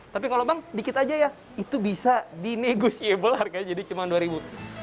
tapi kalau bang dikit aja ya itu bisa dinegosiable harganya jadi cuma dua ribu